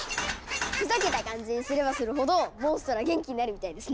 ふざけた感じにすればするほどモンストロは元気になるみたいですね！